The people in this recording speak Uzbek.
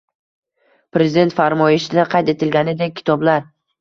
Prezident farmoyishida qayd etilganidek, kitoblar